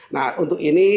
nah untuk ini